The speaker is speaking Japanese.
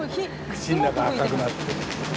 口の中赤くなって。